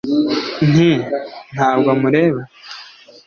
nti: “ntabwo mureba